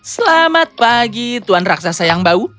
selamat pagi tuan raksasa yang bau